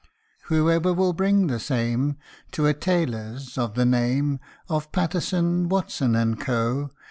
Whoever will bring the same To a tailor's of the name Of Patterson, Watson, and Co.